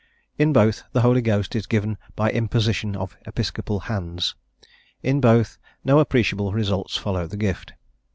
In both, the Holy Ghost is given by imposition of episcopal hands; in both, no appreciable results follow the gift.